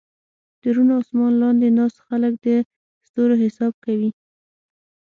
د روڼ اسمان لاندې ناست خلک د ستورو حساب کوي.